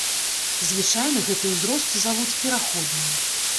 Звычайна гэты ўзрост завуць пераходным.